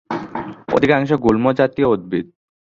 অধিকাংশ গুল্ম জাতীয় উদ্ভিদ।